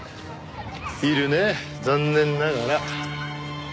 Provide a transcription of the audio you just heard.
いるね残念ながら。